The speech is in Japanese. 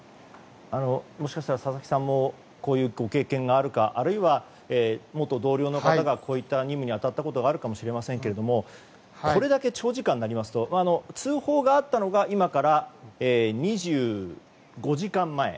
もしかしたら佐々木さんもこういうご経験があるかあるいは、元同僚の方がこういった任務に当たったことがあるかもしれませんけれどもこれだけ長時間になりますと通報があったのが今から２５時間前。